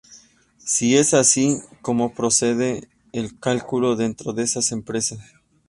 Si es así, ¿cómo procede el cálculo dentro de esas empresas?